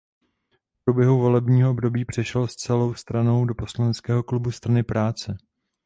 V průběhu volebního období přešel s celou stranou do poslaneckého klubu Strany práce.